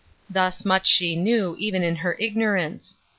Thus much she knew, even in her ignorance.